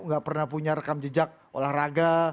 nggak pernah punya rekam jejak olahraga